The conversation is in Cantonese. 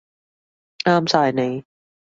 啱晒你